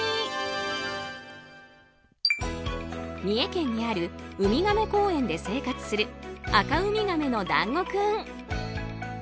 三重県にあるウミガメ公園で生活するアカウミガメのだんご君。